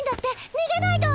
逃げないと！